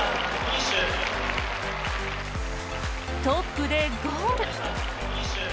トップでゴール。